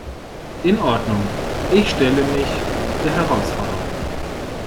In Ordnung, ich stelle mich der Herausforderung.